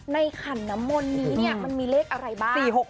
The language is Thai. ขันน้ำมนต์นี้เนี่ยมันมีเลขอะไรบ้าง